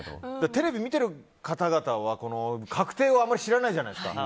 テレビを見てる方々は確定をあまり知らないじゃないですか。